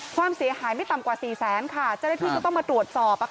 ความเสียหายไม่ต่ำกว่า๔๐๐๐๐๐บาทจะได้ที่ก็ต้องมาตรวจสอบ